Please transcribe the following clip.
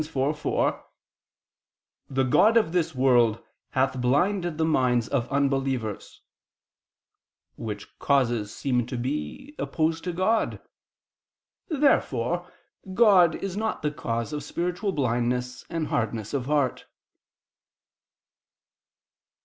4:4: "The god of this world hath blinded the minds of unbelievers": which causes seem to be opposed to God. Therefore God is not the cause of spiritual blindness and hardness of heart.